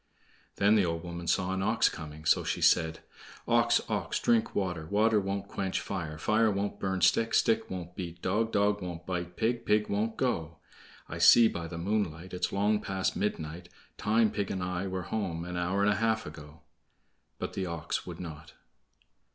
Then the old woman saw an ox coming; so she said: "Ox, ox, drink water; Water won't quench fire; Fire won't burn stick; Stick won't beat dog; Dog won't bite pig; Pig won't go; I see by the moonlight It's long past midnight; Time pig and I were home an hour and a half ago." But the ox would not.